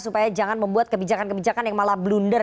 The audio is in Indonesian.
supaya jangan membuat kebijakan kebijakan yang malah blunder